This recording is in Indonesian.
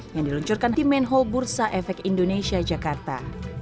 yang diluncurkan di menho bursa efek indonesia jakarta